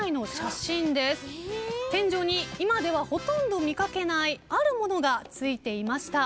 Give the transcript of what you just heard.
天井に今ではほとんど見掛けないあるものが付いていました。